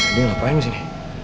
ini ngapain sih